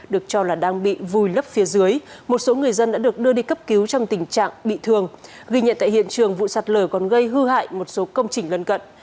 được cho là đang bị vùi lấp phía dưới một số người dân đã được đưa đi cấp cứu trong tình trạng bị thương ghi nhận tại hiện trường vụ sạt lở còn gây hư hại một số công trình lân cận